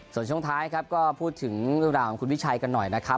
ส่วนช่วงท้ายครับก็พูดถึงเรื่องราวของคุณวิชัยกันหน่อยนะครับ